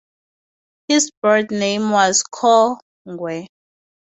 His birth name was Ko Ngwe.